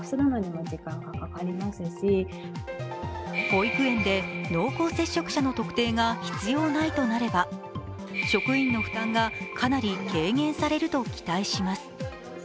保育園で濃厚接触者の特定が必要ないとなれば職員の負担がかなり軽減されると期待します。